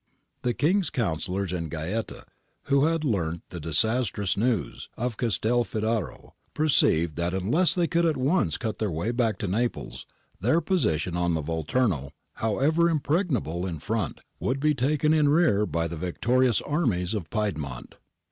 The King's counsellors in Gaeta, who had learnt the disastrous news of Castelfidardo, perceived that unless they could at once cut their way back to Naples their position on the Vol turno, however impregnable in front, would be taken in rear by the victorious armies of Piedmont.